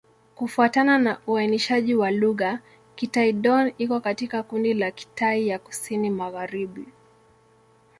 Kufuatana na uainishaji wa lugha, Kitai-Dón iko katika kundi la Kitai ya Kusini-Magharibi.